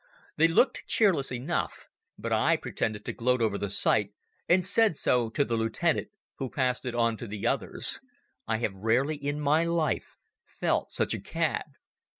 They looked cheerless enough, but I pretended to gloat over the sight, and said so to the lieutenant, who passed it on to the others. I have rarely in my life felt such a cad.